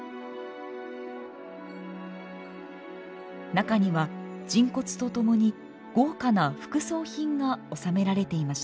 中には人骨と共に豪華な副葬品が納められていました。